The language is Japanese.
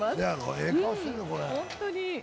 ええ顔してるで、これ。